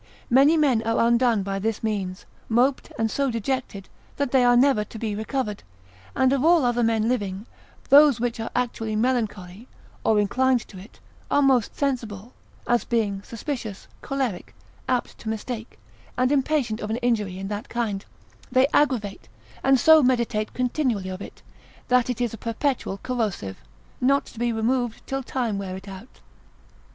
Many men are undone by this means, moped, and so dejected, that they are never to be recovered; and of all other men living, those which are actually melancholy, or inclined to it, are most sensible, (as being suspicious, choleric, apt to mistake) and impatient of an injury in that kind: they aggravate, and so meditate continually of it, that it is a perpetual corrosive, not to be removed, till time wear it out.